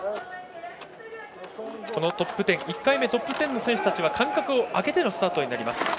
１回目トップ１０の選手たちは間隔を空けてのスタートになります。